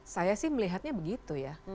saya sih melihatnya begitu ya